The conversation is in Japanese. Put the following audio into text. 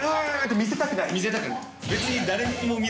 見せたくない。